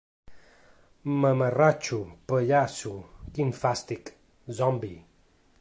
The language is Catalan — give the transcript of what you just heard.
Mamarratxo’, ‘pallasso’, ‘quin fàstic’, ‘zombi’.